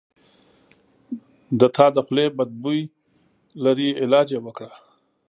د تا د خولې بد بوي لري علاج یی وکړه